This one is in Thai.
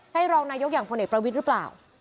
ใช่รองนายกอย่างพลเอกประวิทย์หรือเปล่า